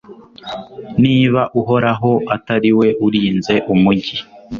niba uhoraho atari we urinze umugi